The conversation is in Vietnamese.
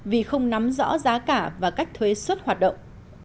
vì không nắm rõ giá cả và cách thuế xuất hoạt động